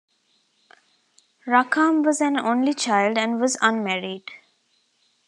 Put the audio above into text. Rackham was an only child, and was unmarried.